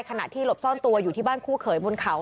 ขณะที่หลบซ่อนตัวอยู่ที่บ้านคู่เขยบนเขา